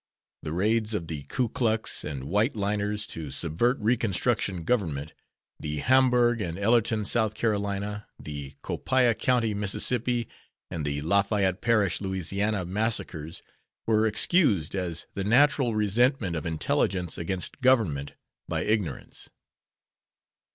The raids of the Ku Klux and White Liners to subvert reconstruction government, the Hamburg and Ellerton, S.C., the Copiah County, Miss., and the Layfayette Parish, La., massacres were excused as the natural resentment of intelligence against government by ignorance.